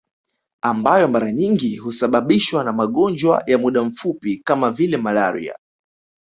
Ambayo mara nyingi husababishwa na magonjwa ya muda mfupi kama vile malaria